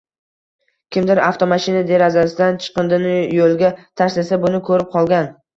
Kimdir avtomashina derazasidan chiqindini yo‘lga tashlasa, buni ko‘rib qolgan